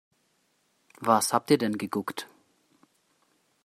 Was habt ihr denn geguckt?